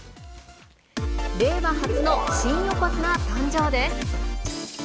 令和初の新横綱誕生です。